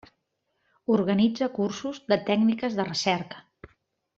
Organitza cursos de tècniques de recerca.